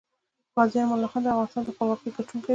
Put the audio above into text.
غازي امان الله خان دافغانستان دخپلواکۍ ګټونکی وه